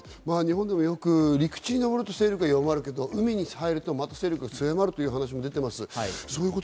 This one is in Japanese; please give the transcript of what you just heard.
日本でもよく陸地に上ると勢力が弱まるけど、また海に行くと勢力が強まると言われています。